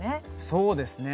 そうですね。